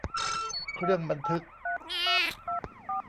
เครื่องบันทึก